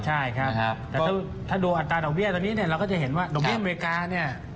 ใช่ครับแต่ถ้าดูอัตราดอกเบี้ยตอนนี้เนี่ยเราก็จะเห็นว่าดอกเบี้อเมริกาเนี่ย